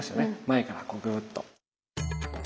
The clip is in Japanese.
前からこうグーッと。